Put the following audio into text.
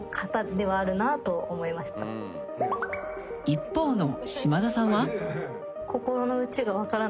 ［一方の］